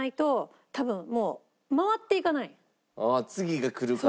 ああ次がくるから。